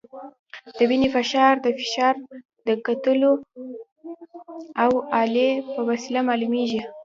د وینې فشار د فشار د کتلو د الې په وسیله معلومېږي.